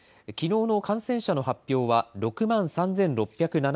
きのうの感染者の発表は６万３６７３人。